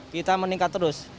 kita meningkat terus